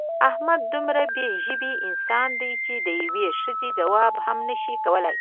احمد دومره بې ژبې انسان دی چې د یوې ښځې ځواب هم نشي کولی.